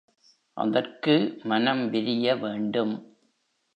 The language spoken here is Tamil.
அதற்கு மனம் விரிய வேண்டும்.